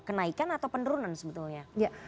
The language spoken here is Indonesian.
kenaikan atau penurunan sebetulnya